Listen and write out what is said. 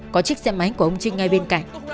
có chiếc xe máy của ông trinh ngay bên cạnh